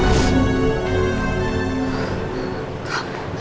apa yang mau arrogance mereka